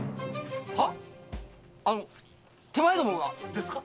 は⁉あの手前どもがですか？